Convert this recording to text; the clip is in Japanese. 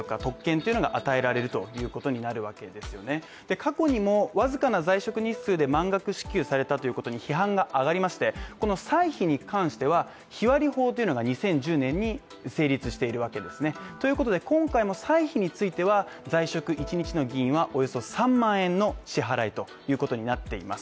過去にもわずかな在職日数で満額支給されたということに批判が上がりまして、この歳費に関しては日割り法というのが２０１０年に成立しているわけですね。ということで今回も歳費については、在職１日の議員は、およそ３万円の支払いということになっています。